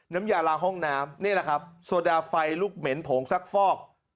น้ำยาลาห้องน้ำนี่แหละครับโซดาไฟลุกเหม็นโผงซักฟอก